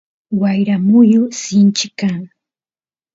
wayra muyu sinchi kan